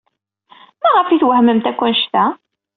Maɣef ay twehmemt akk anect-a?